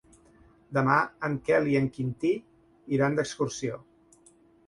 Demà en Quel i en Quintí iran d'excursió.